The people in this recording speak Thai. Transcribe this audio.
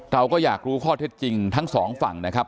เราก็อยากรู้ข้อเท็จจริงทั้งสองฝั่งนะครับ